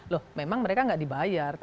loh memang mereka nggak dibayar